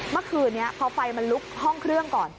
เมื่อคืนนี้พอไฟมันลุกห้องเครื่องก่อน